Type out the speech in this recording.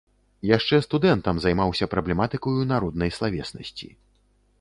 Яшчэ студэнтам займаўся праблематыкаю народнай славеснасці.